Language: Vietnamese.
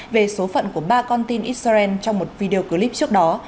về số phận của ba con tin israel trong một video clip trước đó